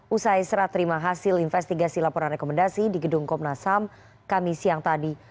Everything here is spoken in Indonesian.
usai serah terima hasil investigasi laporan rekomendasi di gedung komnasam kami siang tadi